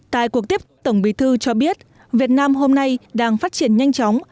tại cuộc tiếp tổng bí thư cho biết việt nam hôm nay đang phát triển nhanh chóng